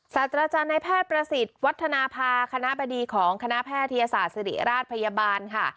ศาสตราจารย์ในแพทย์ประสิทธิ์วัฒนภาคณะบดีของคณะแพทยศาสตร์ศิริราชพยาบาลค่ะ